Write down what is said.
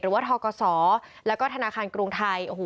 หรือว่าทกษและก็ธนาคารกรูงไทยย์